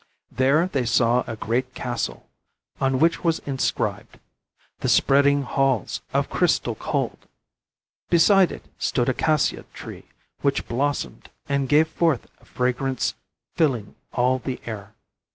There they saw a great castle on which was inscribed: "The Spreading Halls of Crystal Cold." Beside it stood a cassia tree which blossomed and gave forth a fragrance filling all the air.